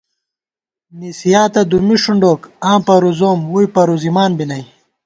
نِسِیاتہ دُمّی ݭُنڈوک آں پروزوم ووئی پروزِمان بی نئ